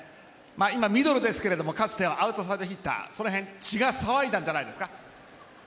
今ミドルでしたが、かつてはアウトサイドヒッターの血が騒いだんじゃないですか。